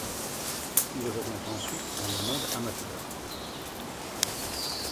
Il revient ensuite dans le monde amateur.